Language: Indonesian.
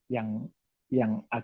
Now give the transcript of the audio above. yang agih muat